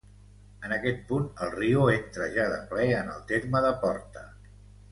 En aquest punt el riu entra ja de ple en el terme de Porta.